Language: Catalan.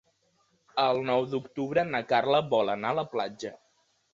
El nou d'octubre na Carla vol anar a la platja.